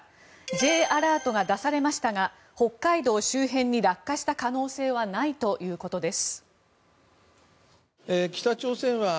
Ｊアラートが出されましたが北海道周辺に落下した可能性はないということです。